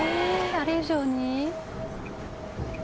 あれ以上に？